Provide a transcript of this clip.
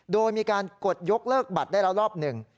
โดยมีการกดยกเลิกบัตรได้แล้วรอบหนึ่ง